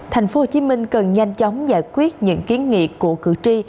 thành phố hồ chí minh cần nhanh chóng giải quyết những kiến nghị của cử tri